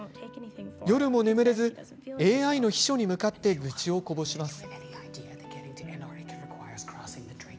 夜も眠れずＡＩの秘書に向かって愚痴をこぼします。